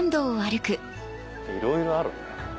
いろいろあるね。